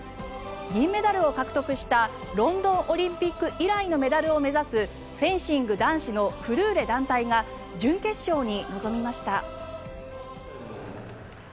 銀メダルを獲得したロンドンオリンピック以来のメダルを目指すフェンシング男子のフルーレ団体が準決勝に臨みました。